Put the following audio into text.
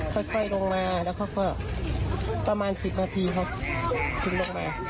ค่อยลงมาแล้วเขาก็ประมาณ๑๐นาทีครับถึงลงมา